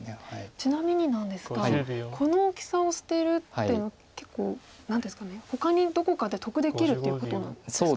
ちなみになんですがこの大きさを捨てるっていうのは結構何ですかね。ほかにどこかで得できるっていうことなんですか？